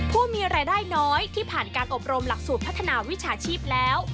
ผู้มีรายได้น้อยที่ผ่านการอบรมหลักสูตรพัฒนาวิชาชีพแล้ว